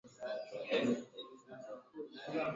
na kuchangia ukuaji wa vitu vya kigeni Kwa